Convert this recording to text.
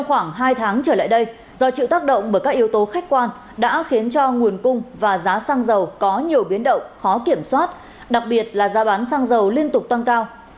khoảng hai tháng trở lại đây do chịu tác động bởi các yếu tố khách quan đã khiến cho nguồn cung và giá xăng dầu có nhiều biến động khó kiểm soát đặc biệt là giá bán xăng dầu liên tục tăng cao